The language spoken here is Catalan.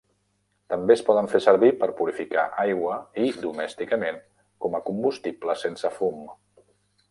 També es poden fer servir per purificar aigua i, domèsticament, com a combustible sense fum.